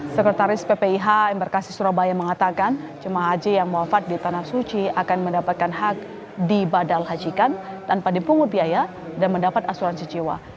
sekretaris ppih embarkasi surabaya mengatakan jemaah haji yang wafat di tanah suci akan mendapatkan hak dibadal hajikan tanpa dipungut biaya dan mendapat asuransi jiwa